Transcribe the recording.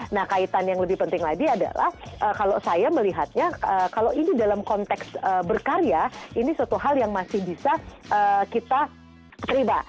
nah kaitan yang lebih penting lagi adalah kalau saya melihatnya kalau ini dalam konteks berkarya ini suatu hal yang masih bisa kita terima